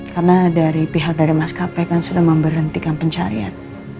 karena pihak dari mas kp kan sudah memberhentikan pencarian